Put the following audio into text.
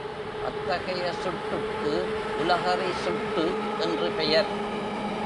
அத்தகைய சுட்டுக்கு உலகறி சுட்டு என்று பெயர்.